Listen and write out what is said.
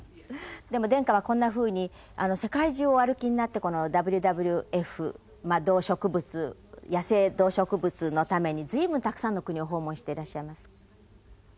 でも殿下はこんなふうに世界中をお歩きになってこのＷＷＦ動植物野生動植物のために随分たくさんの国を訪問してらっしゃいます。